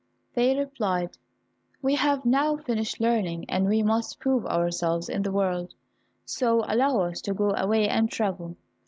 They replied, "We have now finished learning, and we must prove ourselves in the world, so allow us to go away and travel."